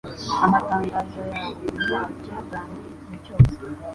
Amatangazo yawe ni yo bukire bwanjye igihe cyose